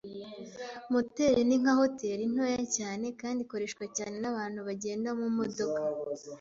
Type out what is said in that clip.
Motel ni nka hoteri ntoya cyane kandi ikoreshwa cyane nabantu bagenda mumodoka.